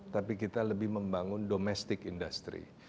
tapi kita lebih membangun domestic industry